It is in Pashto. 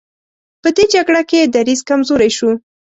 په دې جګړه کې یې دریځ کمزوری شو.